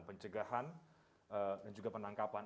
pencegahan dan juga penangkapan